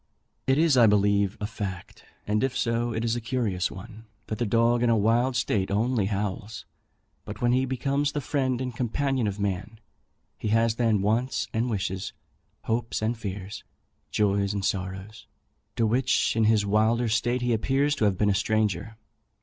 It is, I believe, a fact, and if so, it is a curious one, that the dog in a wild state only howls; but when he becomes the friend and companion of man, he has then wants and wishes, hopes and fears, joys and sorrows, to which in his wilder state he appears to have been a stranger.